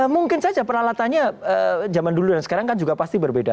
mungkin saja peralatannya zaman dulu dan sekarang kan juga pasti berbeda